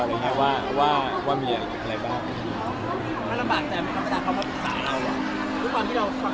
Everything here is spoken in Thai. ไม่ต้องหลักจากความพูดสาวให้คุณ